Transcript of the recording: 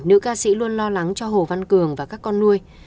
nữ ca sĩ luôn lo lắng cho hồ văn cường và các con nuôi